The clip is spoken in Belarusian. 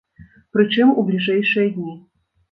Прычым, у бліжэйшыя дні.